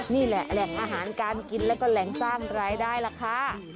นี่แหละแหล่งอาหารการกินแล้วก็แหล่งสร้างรายได้ล่ะค่ะ